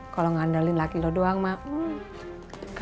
kalau ngandalkan laki lo doang mak